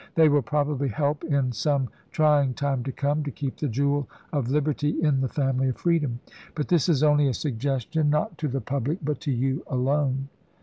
They will probably help in some trying time to come, to keep the jewel of liberty in the family of freedom. But this is only a suggestion, not to the public, but to you alone."